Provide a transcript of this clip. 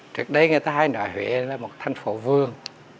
trước đây người ta hay nói huệ là một thành phố vương